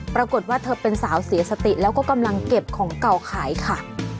ปรากฏว่าเธอเป็นสาวเสียสติแล้วก็กำลังเก็บของเก่าขายค่ะ